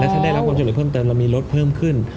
ถ้าได้รับความช่วยเหลือเพิ่มเติมเรามีรถเพิ่มขึ้น